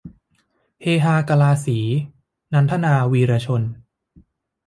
เฮฮากะลาสี - นันทนา วีระชน